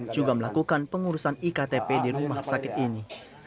juga melakukan pengurusan iktp di rumah sakit ini